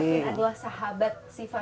kevin adalah sahabat syifa